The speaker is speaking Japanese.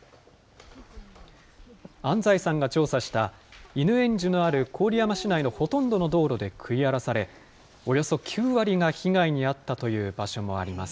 安齋さんが調査したイヌエンジュのある郡山市内のほとんどの道路で食い荒らされ、およそ９割が被害に遭ったという場所もあります。